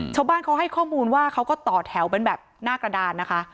ชาวบ้านเขาให้ข้อมูลว่าเขาก็ต่อแถวเป็นแบบหน้ากระดานนะคะ